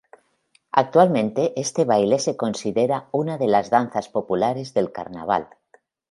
Actualmente este baile se considera una de las danzas populares del Carnaval.